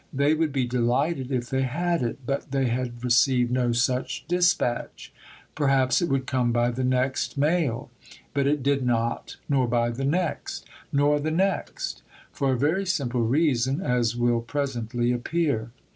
They would be delighted if they had it, but they had received no such dispatch; perhaps it would come by the next mail. But it did not, nor by the next, nor the next, for a very simple reason, as will presently appear.